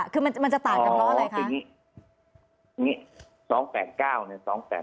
คือมันจะต่างกันเพราะอะไรคะ